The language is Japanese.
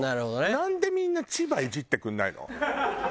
なんでみんな千葉イジってくれないの？